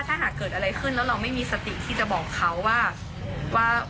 แล้วหลังจากที่ถ้าเกิดอะไรขึ้นแล้วเราไม่มีสติที่จะบอกเขาว่า